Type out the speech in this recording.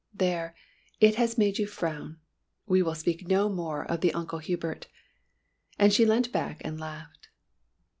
There, it has made you frown, we will speak no more of the Uncle Hubert!" and she leant back and laughed.